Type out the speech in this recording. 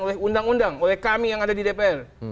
oleh undang undang oleh kami yang ada di dpr